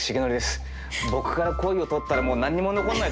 僕から恋を取ったらもう何にも残んないだろうな。